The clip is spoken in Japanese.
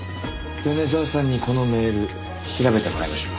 米沢さんにこのメール調べてもらいましょう。